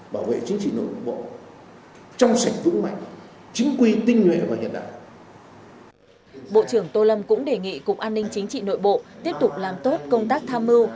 bộ trưởng tô lâm cũng đề nghị cục an ninh chính trị nội bộ tiếp tục làm tốt công tác tham mưu